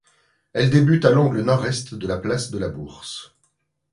Elle débute à l'angle nord-est de la place de la Bourse.